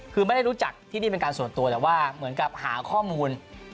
คือไม่ได้รู้จักที่นี่เป็นการส่วนตัวแต่ว่าเหมือนกับหาข้อมูล